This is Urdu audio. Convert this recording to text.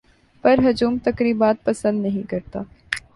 پر ہجوم تقریبات پسند نہیں کرتا